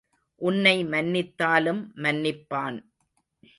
உன்னை மன்னித்தாலும் மன்னிப்பான்.